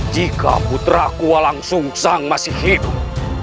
jika putra kuwalangsungsang masih hidup